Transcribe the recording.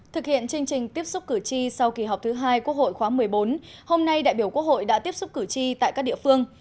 thực hiện chương trình tiếp xúc cử tri sau kỳ họp thứ hai quốc hội khóa một mươi bốn hôm nay đại biểu quốc hội đã tiếp xúc cử tri tại các địa phương